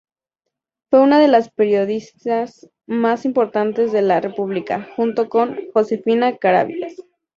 Fue una de las periodistas más importantes de la república, junto con Josefina Carabias.